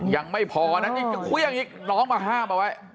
ยังไม่พอนะคุยอย่างนี้น้องมาห้ามเอาไว้